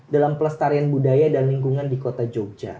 dalam pelestarian budaya dan lingkungan di kota jogja